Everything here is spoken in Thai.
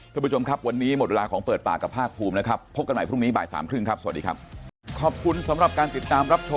เพื่อผู้ชมครับวันนี้หมดเวลาของเปิดปากกับฮาคภูมินะครับ